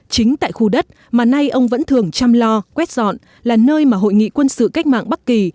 chính tại khu đất mà nay ông vẫn thường chăm lo quét dọn là nơi mà hội nghị quân sự cách mạng bắc kỳ